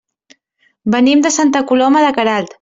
Venim de Santa Coloma de Queralt.